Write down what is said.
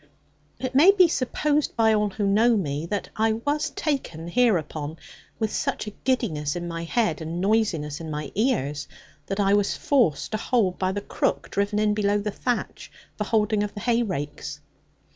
It may be supposed by all who know me, that I was taken hereupon with such a giddiness in my head and noisiness in my ears, that I was forced to hold by the crook driven in below the thatch for holding of the hay rakes.